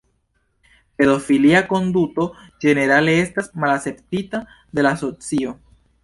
Pedofilia konduto ĝenerale estas malakceptita de la socio.